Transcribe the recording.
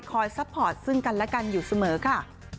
ซัพพอร์ตซึ่งกันและกันอยู่เสมอค่ะ